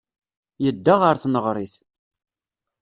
Yedda ɣer tneɣrit.